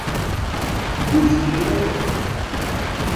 Ggujlen warrac.